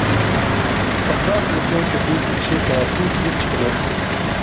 سەپرا خىلىتىنىڭ كۆپىيىپ كېتىشى سەۋەبىدىن كېلىپ چىقىدۇ.